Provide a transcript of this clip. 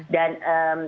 dan ini akan